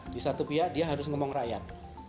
di satu pihak dia harus ngomong rakyat